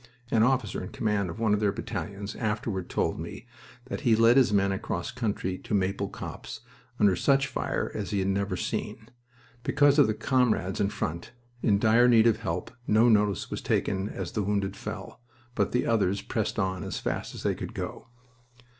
An officer in command of one of their battalions afterward told me that he led his men across country to Maple Copse under such a fire as he had never seen. Because of the comrades in front, in dire need of help, no notice was taken as the wounded fell, but the others pressed on as fast as they could go.